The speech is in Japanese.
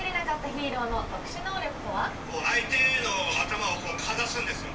相手の頭をかざすんですよ。